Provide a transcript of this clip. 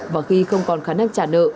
và khi không còn khả năng trả nợ